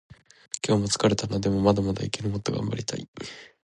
今日も疲れたな。でもまだまだいける。もっと頑張りたい。